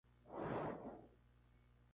De esta manera volvió la luz al mundo.